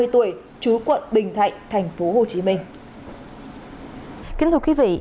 năm mươi tuổi chứa quận bình thạnh tp hcm